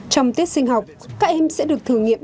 trong tiết sinh học các em sẽ được thử nghiệm